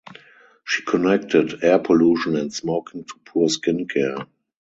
She connected air pollution and smoking to poor skin care.